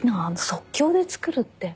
即興で作るって。